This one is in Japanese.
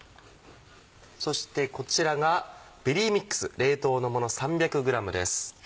そしてこちらがベリーミックス冷凍のもの３００ｇです。